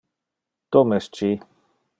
Tom es ci.